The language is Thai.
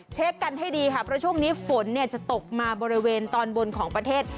เช็คกันให้ดีค่ะเพราะช่วงนี้ฝนจะตกมาบริเวณตอนบนของประเทศ